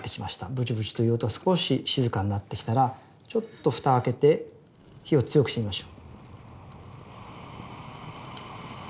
ブチブチという音が少し静かになってきたらちょっと蓋開けて火を強くしてみましょう。